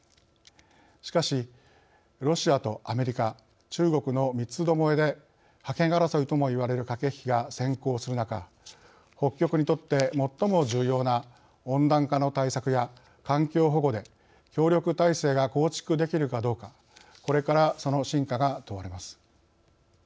しかし、ロシアとアメリカ中国の三つどもえで覇権争いともいわれる駆け引きが先行する中北極にとって最も重要な温暖化の対策や環境保護で協力態勢が構築できるかどうかこれからその真価が問われます。